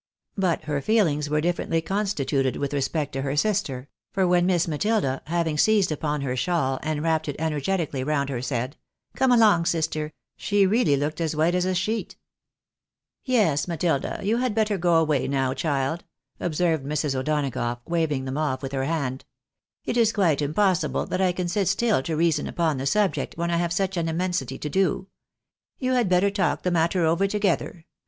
JBut her feelings were differently con WHAT REASON FOR THANKFULNESS? 25 stituted with respect to her sister ; for when Miss Matilda, having seized upon her shawl, and wrapped it energetically round her said, " Come along, sister !" she really looked as white as a sheet. " Yes, Matilda, you had better go away now, child," observed Mrs. O'Donagough, waving them off with her hand. " It is quite impossible that I can sit still to reason upon the subject, when I have such an immensity to do. You had better talk the matter over together.